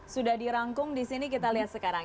sudah dirangkum di sini kita lihat sekarang